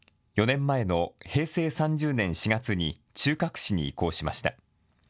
４年前の平成３０年４月に中核市に移行しました。